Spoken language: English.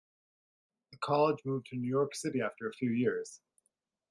The college moved to New York City after a few years.